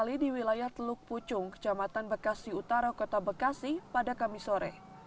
kali di wilayah teluk pucung kecamatan bekasi utara kota bekasi pada kamis sore